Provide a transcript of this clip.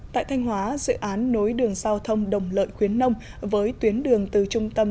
tại thanh hóa dự án nối đường giao thông đồng lợi khuyến nông với tuyến đường từ trung tâm